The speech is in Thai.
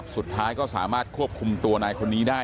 สุดท้ายก็สามารถควบคุมตัวนายคนนี้ได้